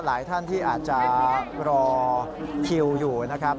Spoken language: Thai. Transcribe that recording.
หลายท่านที่อาจจะรอคิวอยู่นะครับ